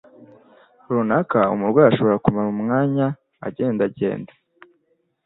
runaka Umurwayi ashobora kumara umwanya agendagenda